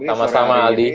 siap sama sama aldi